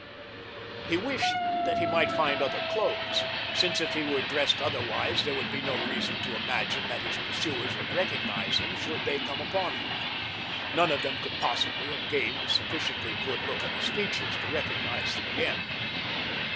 He wished that he might find other clothes, since if he were dressed otherwise there would be no reason to imagine that his pursuers would recognize him should they come upon him. None of them could possibly have gained a sufficiently good look at his features to recognize them again.